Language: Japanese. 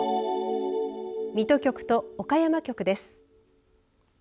水戸局と岡山局です。